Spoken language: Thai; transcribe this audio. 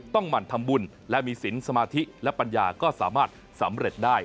หมั่นทำบุญและมีสินสมาธิและปัญญาก็สามารถสำเร็จได้